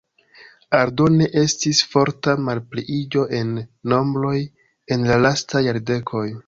Aldone estis forta malpliiĝo en nombroj en la lastaj jardekoj.